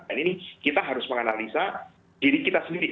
dan ini kita harus menganalisa diri kita sendiri